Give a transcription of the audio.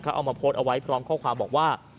เอามาโพสต์เอาไว้พร้อมข้อความบอกว่า